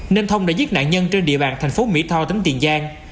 nên thông đã giết nạn nhân trên địa bàn thành phố mỹ tho tỉnh tiền giang